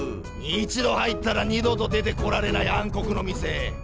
一度入ったら二度と出てこられない暗黒の店！